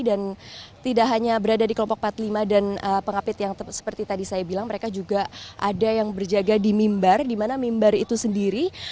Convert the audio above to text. dan tidak hanya berada di kelompok empat puluh lima dan pengapit yang seperti tadi saya bilang mereka juga ada yang berjaga di mimbar di mana mimbar itu sendiri